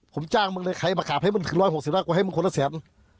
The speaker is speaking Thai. ผมจ้างมึงเลยใครมาขาบให้มันถึง๑๖๐บาทก็ให้มึงคนละแสน